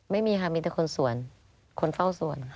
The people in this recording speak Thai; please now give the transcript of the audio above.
ไม่มีค่ะมีแต่คนส่วนคนเฝ้าสวนค่ะ